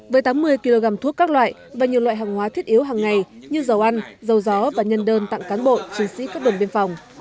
với tám mươi kg thuốc các loại và nhiều loại hàng hóa thiết yếu hàng ngày như dầu ăn dầu gió và nhân đơn tặng cán bộ chiến sĩ các đồn biên phòng